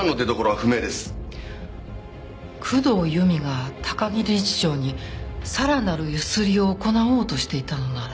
工藤由美が高木理事長にさらなる強請りを行おうとしていたのなら。